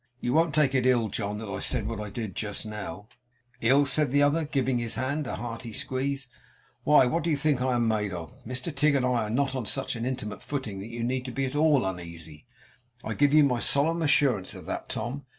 You won't take it ill, John, that I said what I did just now!' 'Ill!' said the other, giving his hand a hearty squeeze; 'why what do you think I am made of? Mr Tigg and I are not on such an intimate footing that you need be at all uneasy, I give you my solemn assurance of that, Tom.